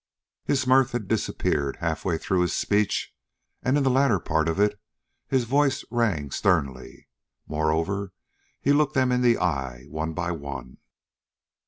His mirth had disappeared halfway through his speech, and in the latter part of it his voice rang sternly. Moreover he looked them in the eye, one by one.